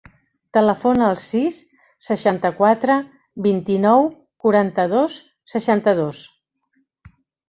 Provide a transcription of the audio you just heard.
Telefona al sis, seixanta-quatre, vint-i-nou, quaranta-dos, seixanta-dos.